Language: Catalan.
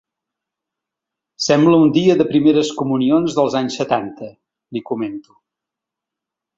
“Sembla un dia de primeres comunions dels anys setanta”, li comento.